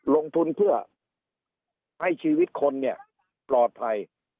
ลงทุนเพื่อให้ชีวิตคนเนี่ยปลอดภัย